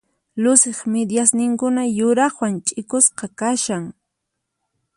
Luciq midiasninkuna yuraqwan ch'ikusqa kashan.